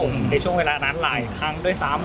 ในช่วงเวลานั้นหลายครั้งด้วยซ้ำ